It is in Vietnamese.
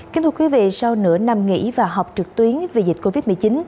kính thưa quý vị sau nửa năm nghỉ và học trực tuyến vì dịch covid một mươi chín